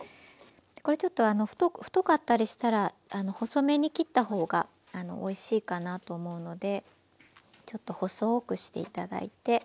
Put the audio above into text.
これちょっと太かったりしたら細めに切ったほうがおいしいかなと思うのでちょっと細くして頂いて。